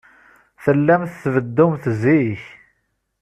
Tellamt tbeddumt zik.